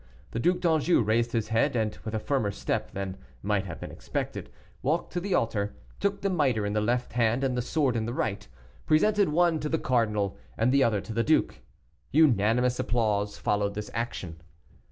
The Duc d'Anjou raised his head, and with a firmer step than might have been expected, walked to the altar, took the miter in the left hand and the sword in the right, presented one to the cardinal and the other to the duke. Unanimous applause followed this action.